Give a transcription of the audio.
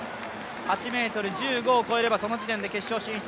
８ｍ１５を越えれば、その時点で決勝進出。